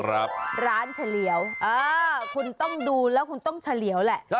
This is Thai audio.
ร้านเฉลี่ยวคุณต้องดูแล้วคุณต้องเฉลี่ยวแหละ